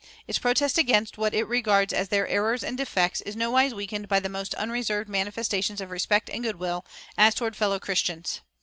Its protest against what it regards as their errors and defects is nowise weakened by the most unreserved manifestations of respect and good will as toward fellow Christians.